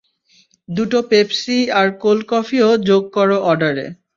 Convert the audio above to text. দুটো পেপসি আর কোল্ড কফিও যোগ কর অর্ডারে।